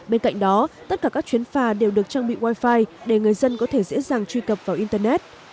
bên cạnh đó tất cả các chuyến phà đều được trang bị wifi để người dân có thể dễ dàng truy cập vào internet